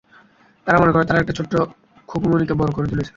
তারা মনে করে তারা একটা ছোট্ট খুকুমণিকে বড় করে তুলেছে।